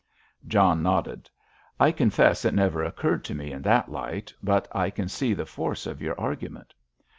John nodded. "I confess it never occurred to me in that light, but I can see the force of your argument."